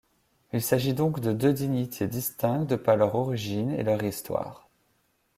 Il s’agit donc de deux dignités distinctes de par leur origine et leur histoire.